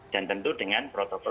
dan tentu dengan protokol